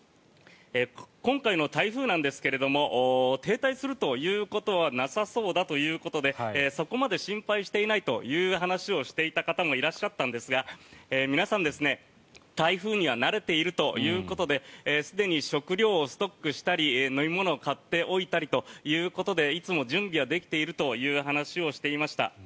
今回の台風なんですが停滞するということはなさそうだということでそこまで心配していないという話をしていた方もいらっしゃったんですが皆さん、台風には慣れているということですでに食料をストックしたり飲み物を買っておいたりということでいつも準備はできているという話をしていました。